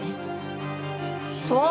そう？